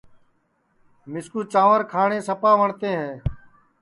مِسکُو چانٚور کھاٹؔے سپا وٹؔتے ہے